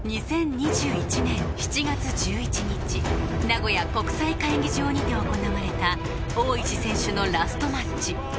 ２０２１年７月１１日名古屋国際会議場にて行われた大石選手のラストマッチ